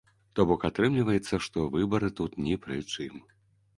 То бок, атрымліваецца, што выбары тут ні пры чым.